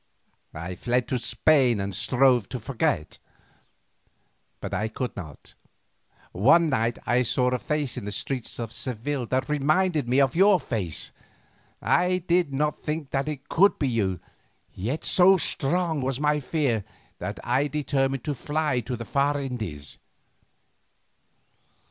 I fled to Spain and strove to forget. But I could not. One night I saw a face in the streets of Seville that reminded me of your face. I did not think that it could be you, yet so strong was my fear that I determined to fly to the far Indies.